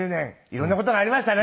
色んな事ありましたね。